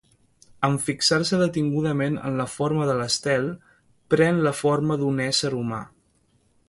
En fixar-se detingudament en la forma de l'estel, pren la forma d'un ésser humà.